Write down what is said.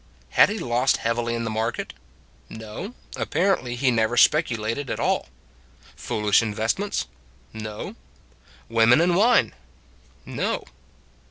Had he lost heavily in the market? No; apparently, he never speculated at all. Foolish investments? No. Women and wine? No.